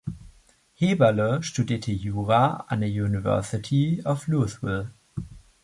Heberle studierte Jura an der University of Louisville.